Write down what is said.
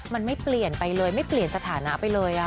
มันไม่เปลี่ยนไปเลยไม่เปลี่ยนสถานะไปเลย